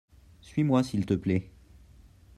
suis-moi s'il te plait .